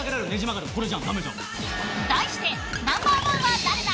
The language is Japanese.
題して、ナンバー１は誰だ？